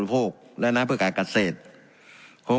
การปรับปรุงทางพื้นฐานสนามบิน